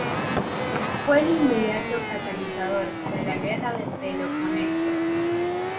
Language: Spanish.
Fue el inmediato catalizador para la guerra del Peloponeso.